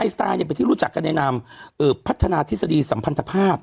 สไตลเป็นที่รู้จักกันในนามพัฒนาทฤษฎีสัมพันธภาพ